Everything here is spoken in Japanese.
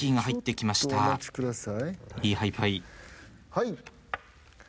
はい。